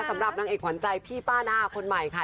สำหรับนางเอกขวัญใจพี่ป้าหน้าคนใหม่ค่ะ